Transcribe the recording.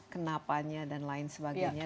kenapanya dan lain sebagainya